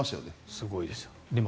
すごいですよ。